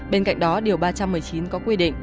bên cạnh đó điều ba trăm một mươi chín có quy định